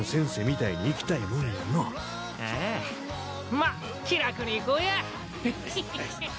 まっ気楽にいこうや！